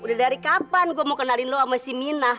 udah dari kapan gue mau kenalin lo sama si mina